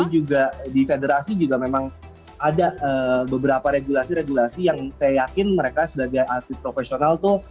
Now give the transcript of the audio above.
juga di federasi juga memang ada beberapa regulasi regulasi yang saya yakin mereka sebagai atlet profesional tuh